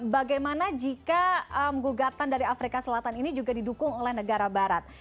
bagaimana jika gugatan dari afrika selatan ini juga didukung oleh negara barat